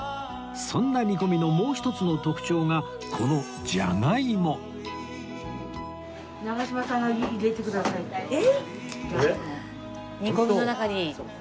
そんな煮込みのもう一つの特徴がこの煮込みの中に？